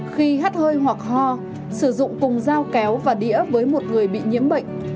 khi hát hơi hoặc ho sử dụng cùng dao kéo và đĩa với một người bị nhiễm bệnh